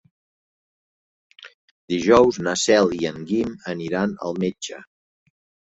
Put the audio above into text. Dijous na Cel i en Guim aniran al metge.